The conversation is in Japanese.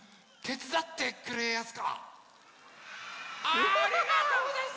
ありがとうございやす！